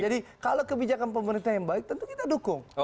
jadi kalau kebijakan pemerintah yang baik tentu kita dukung